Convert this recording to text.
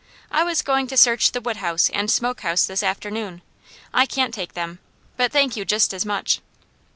I was going to search the wood house and smoke house this afternoon. I can't take them. But thank you just as much."